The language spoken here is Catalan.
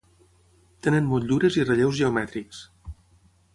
Tenen motllures i relleus geomètrics.